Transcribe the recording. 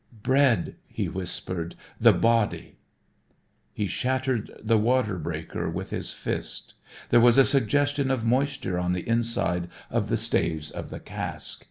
] "Bread," he whispered. "The body " He shattered the water breaker with his fist. There was a suggestion of moisture on the inside of the staves of the cask.